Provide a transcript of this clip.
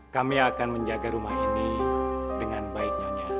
kami akan menjaga rumah ini dengan baik nyonya